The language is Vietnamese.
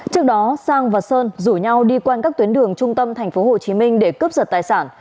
trước đó sang và sơn rủ nhau đi quanh các tuyến đường trung tâm tp hcm để cướp giật tài sản